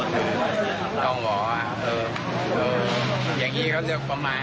ขึ้นแล้วมาเหยียดเดี่ยวขึ้นแล้ว